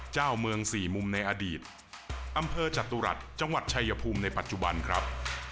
เจ้าเมืองสี่มุมในอดีตอำเภอจตุรัสจังหวัดชายภูมิในปัจจุบันครับ